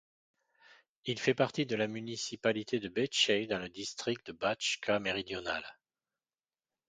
Il fait partie de la municipalité de Bečej dans le district de Bačka méridionale.